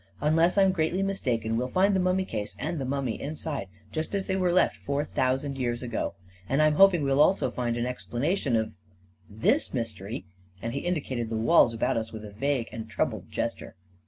" Unless I'm greatly mistaken we'll find the mummy case and the mummy inside, just as they were left four thou sand years ago — and I'm hoping we'll also find an explanation of — this mystery," and he indicated the walls about us with a vague and troubled ges ture.